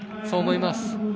そう思います。